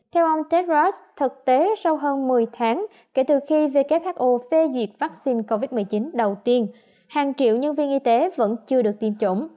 theo ông tedros thực tế sau hơn một mươi tháng kể từ khi who phê duyệt vaccine covid một mươi chín đầu tiên hàng triệu nhân viên y tế vẫn chưa được tiêm chủng